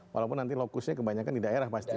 walaupun nanti lokusnya kebanyakan di daerah pasti